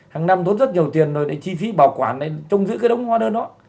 hàng năm tốn rất nhiều tiền rồi chi phí bảo quản trong giữa đống hóa đơn đó